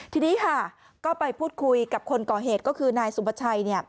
ทีนี้ค่ะก็ไปพูดคุยกับคนก่อเหตุก็คือนายสุประชัย